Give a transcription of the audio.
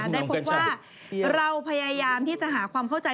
ได้พบว่าเราพยายามที่จะหาความเข้าใจ